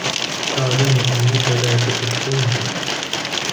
أعلم أنك لا تحبني.